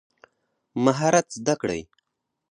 مهارت زده کړئ